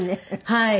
はい。